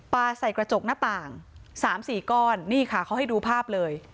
ปลาใส่กระจกหน้าต่าง๓๔ก้อนนี่ค่ะเขาให้ดูภาพเลย